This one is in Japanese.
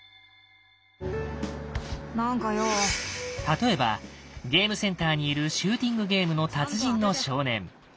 例えばゲームセンターにいるシューティングゲームの達人の少年。